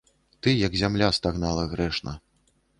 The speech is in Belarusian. Ты, як зямля, стагнала грэшна.